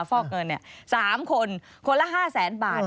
ฟอกเงินเนี่ย๓คนคนละ๕๐๐๐๐๐บาท